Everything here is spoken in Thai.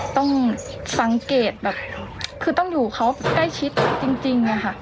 ต้องสังเกตแบบคือต้องอยู่เขาใกล้ชิดจริงอะค่ะ